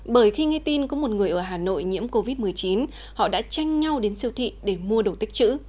bởi khi nghe tin có một người ở hà nội nhiễm covid một mươi chín họ đã tranh nhau đến siêu thị để mua đồ tích chữ